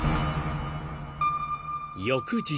［翌日］